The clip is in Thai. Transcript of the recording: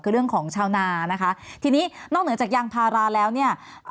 คือเรื่องของชาวนานะคะทีนี้นอกเหนือจากยางพาราแล้วเนี่ย